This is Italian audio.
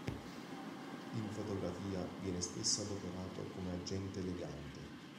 In fotografia viene spesso adoperato come agente legante.